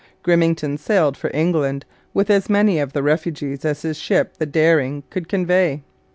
Grimmington sailed for England with as many of the refugees as his ship, the Dering, could convey.